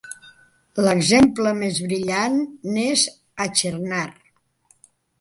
L'exemple més brillant n'és Achernar.